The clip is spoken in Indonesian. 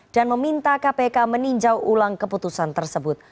dan meminta kpk meninjau ulang keputusan tersebut